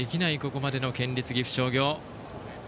ここまでの県立岐阜商業。